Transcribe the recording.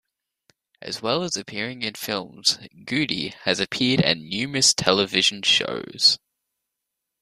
As well as appearing in films, Goode has appeared in numerous television shows.